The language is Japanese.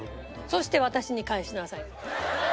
そして私に返しなさいと。